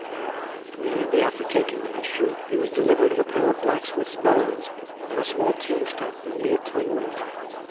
Immediately after taking the mixture he was delivered of a pair of blacksmith's bellows, and a small tomb stone only a ton weight.